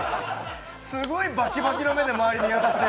すごいバキバキの目で周り見回して。